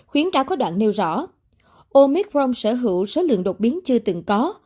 khuyến cáo có đoạn nêu rõ omicron sở hữu số lượng đột biến chưa từng có